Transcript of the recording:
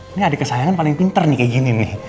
ini adik kesayangan paling pinter nih kayak gini nih